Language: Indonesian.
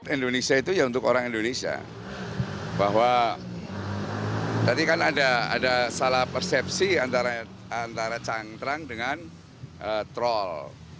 indonesia itu ya untuk orang indonesia bahwa tadi kan ada salah persepsi antara cantrang dengan troll